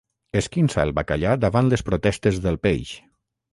Esquinça el bacallà davant les protestes del peix.